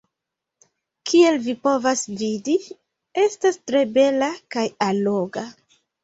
Kiel vi povas vidi, estas tre bela kaj alloga.